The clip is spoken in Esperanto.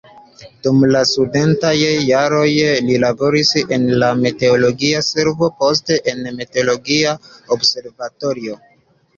Dum la studentaj jaroj li laboris en la meteologia servo, poste en meteologia observatorio.